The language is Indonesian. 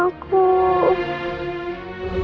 aku mau denger suara mama